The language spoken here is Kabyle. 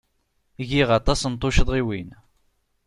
Giɣ aṭas n tuccḍiwin.